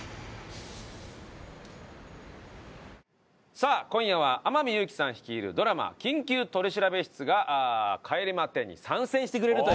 さあ今夜は天海祐希さん率いるドラマ『緊急取調室』が帰れま１０に参戦してくれるという事でございまして。